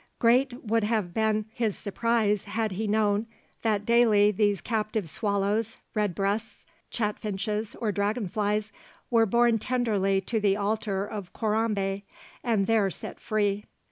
Great would have been his surprise had he known that daily these captive swallows, redbreasts, chaffinches, or dragon flies were borne tenderly to the altar of Corambé, and there set free.